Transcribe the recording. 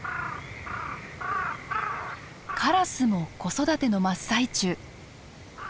カラスも子育ての真っ最中。